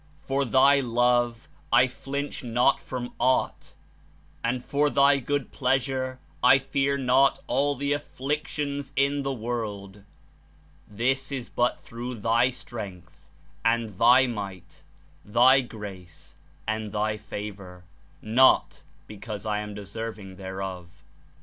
for Thy Love I flinch not from aught, and for Thy good pleasure I fear not all the afflictions in the world. This is but through Thy Strength and Thy Might, Thy Grace and Thy Favor; not because I am deserving thereof."